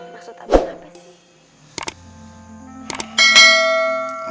maksud abang apa sih